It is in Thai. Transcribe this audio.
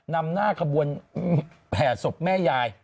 นำหน้าขบวนแห่ศพแม่ยาย